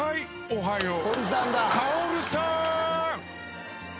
おはよう。